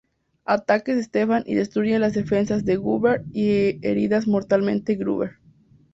Ataques Stefan y destruye las defensas de Gruber y heridas mortalmente Gruber.